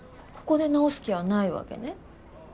ここで治す気はないわけね。